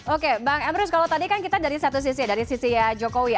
oke bang emrus kalau tadi kan kita dari satu sisi dari sisi ya jokowi